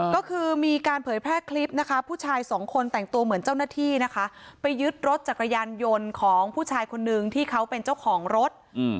ก็คือมีการเผยแพร่คลิปนะคะผู้ชายสองคนแต่งตัวเหมือนเจ้าหน้าที่นะคะไปยึดรถจักรยานยนต์ของผู้ชายคนนึงที่เขาเป็นเจ้าของรถ